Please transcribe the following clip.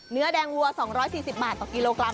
เนื้อแดงวัว๒๔๐บาทต่อกิโลกรัม